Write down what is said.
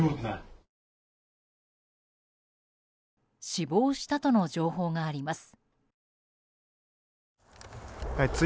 死亡したとの情報があります。